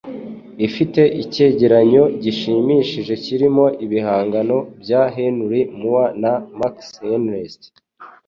Ifite icyegeranyo gishimishije kirimo ibihangano bya Henry Moore na Max Ernst